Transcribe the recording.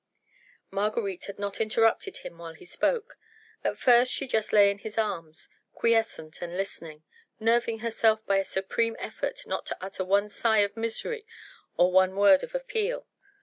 Marguerite had not interrupted him while he spoke. At first she just lay in his arms, quiescent and listening, nerving herself by a supreme effort not to utter one sigh of misery or one word of appeal.